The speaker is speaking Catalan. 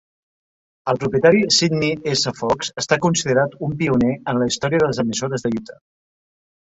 El propietari, Sidney S. Fox, està considerat un pioner en la història de les emissores de Utah.